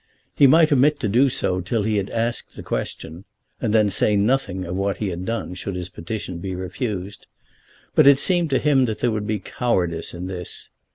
He might omit to do so till he had asked the question, and then say nothing of what he had done should his petition be refused; but it seemed to him that there would be cowardice in this.